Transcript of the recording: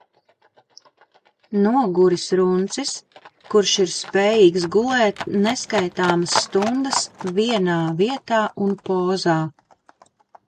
Noguris runcis, kurš ir spējīgs gulēt neskaitāmas stundas vienā vietā un pozā.